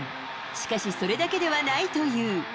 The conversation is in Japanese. しかし、それだけではないという。